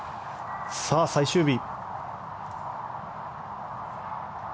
さあ、最終日。